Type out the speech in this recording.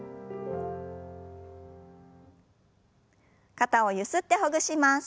肩をゆすってほぐします。